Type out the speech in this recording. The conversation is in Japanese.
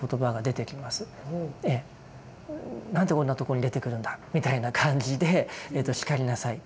「何でこんなとこに出てくるんだ」みたいな感じで叱りなさいと。